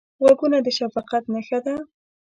غوږونه د شفقت نښه ده